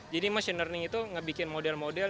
jadi machine learning itu ngebikin model model